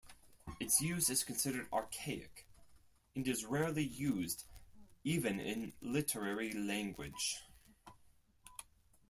Its use is considered archaic and is rarely used even in literary language.